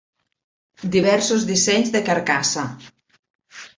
Diversos dissenys de carcassa.